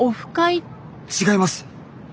違います。